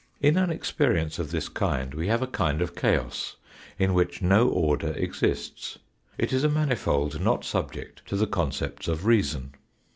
In an experience of this kind we have a kind of chaos, in which no order exists; it is a manifold not subject to the concepts of reason.